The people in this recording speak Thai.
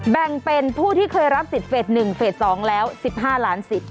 แบ่งเป็นผู้ที่เคยรับสิทธิ์เฟส๑เฟส๒แล้ว๑๕ล้านสิทธิ